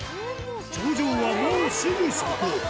頂上はもうすぐそこ。